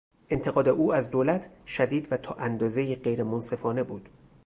انتقاد او از دولت شدید و تا اندازهای غیر منصفانه بود.